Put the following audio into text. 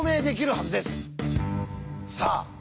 さあ